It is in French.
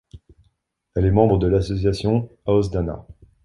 Elle est membre de l'association Aosdána.